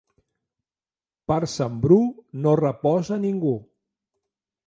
Per Sant Bru no reposa ningú.